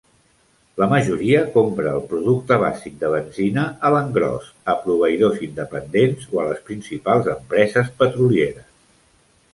La majoria compra el producte bàsic de benzina a l'engròs a proveïdors independents o a les principals empreses petrolieres.